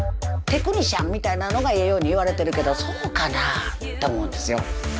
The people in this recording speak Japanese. テクニシャンみたいなのがええように言われてるけどそうかなあと思うんですよ。